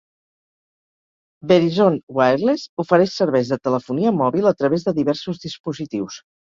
Verizon Wireless ofereix serveis de telefonia mòbil a través de diversos dispositius.